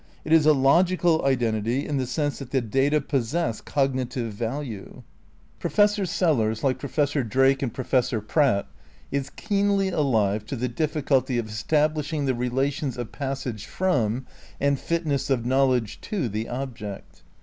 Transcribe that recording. It is a logical identity in the sense that the data "possess cognitive value." Professor Sellars, like Professor Drake and Pro fessor Pratt is keenly ahve to the difficulty of estab lishing the relations of passage from and fitness of knowledge to the object.